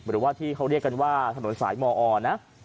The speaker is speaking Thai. หรือว่าที่เขาเรียกกันว่าถนนสายมอนะ